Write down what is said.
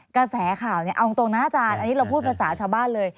กระแสข่าวเนี่ยเอาตรงนะอาจารย์อันนี้เราพูดภาษาชาวบ้านเลย